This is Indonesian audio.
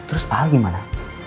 terus pak gimana